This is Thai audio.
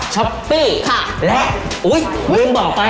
ช็อปปี้และวิวบอกไป